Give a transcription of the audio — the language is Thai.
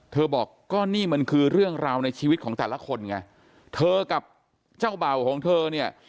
บอกก็นี่มันคือเรื่องราวในชีวิตของแต่ละคนไงเธอกับเจ้าเบ่าของเธอเนี่ย